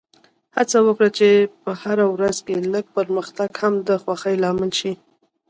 هڅه وکړه چې په هره ورځ کې لږ پرمختګ هم د خوښۍ لامل شي.